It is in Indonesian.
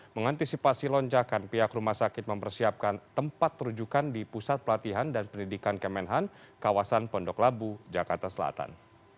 mengantisipasi lonjakan pihak rumah sakit mempersiapkan tempat terujukan di pusat pelatihan dan pendidikan kemenhan kawasan pondok labu jakarta selatan